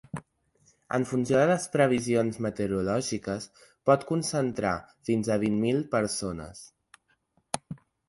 En funció de les previsions meteorològiques, pot concentrar fins a vint mil persones.